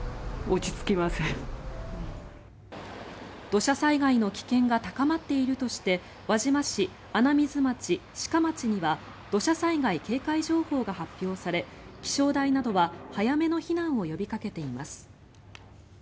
土砂災害の危険が高まっているとして輪島市、穴水町、志賀町には土砂災害警戒情報が発表され気象台などは早めの避難を呼びかけています。